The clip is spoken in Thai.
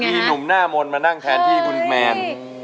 มีหนุ่มหน้ามนต์มานั่งแทนที่คุณแมน